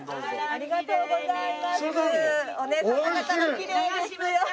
ありがとうございます。